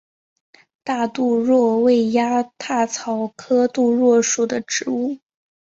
大杜若为鸭跖草科杜若属的植物。